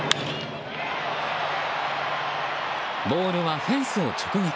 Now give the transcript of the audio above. ボールはフェンスを直撃。